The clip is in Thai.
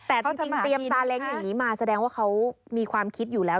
แต่จริงเตรียมซาเล้งอย่างนี้มาแสดงว่าเขามีความคิดอยู่แล้ว